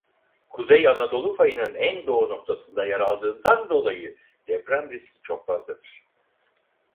Kuzey Anadolu Fayının en doğu noktasında yer aldığından dolayı deprem riski çok fazladır.